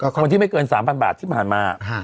คนที่ไม่เกิน๓๐๐บาทที่ผ่านมา